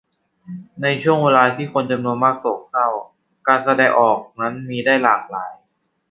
ในช่วงเวลาที่คนจำนวนมากโศกเศร้า การแสดงออกนั้นมีได้หลากหลาย